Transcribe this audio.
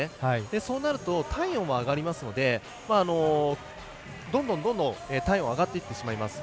そうなると体温が上がりますのでどんどん体温が上がっていってしまいます。